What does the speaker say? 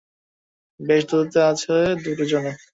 বেশ দূরত্ব আছে দুটো জোনে।